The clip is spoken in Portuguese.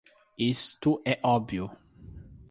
Isto é óbvio.